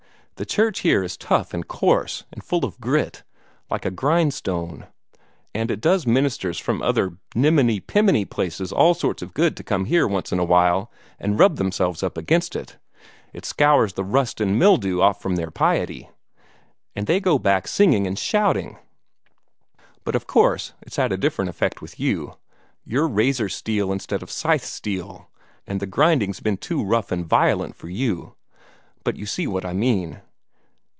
The church here is tough and coarse, and full of grit, like a grindstone; and it does ministers from other more niminy piminy places all sorts of good to come here once in a while and rub themselves up against it. It scours the rust and mildew off from their piety, and they go back singing and shouting. But of course it's had a different effect with you. You're razor steel instead of scythe steel, and the grinding's been too rough and violent for you. But you see what I mean.